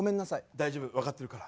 大丈夫分かってるから。